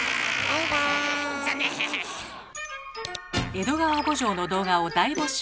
「江戸川慕情」の動画を大募集。